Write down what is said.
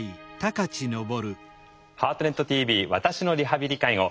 「ハートネットＴＶ私のリハビリ・介護」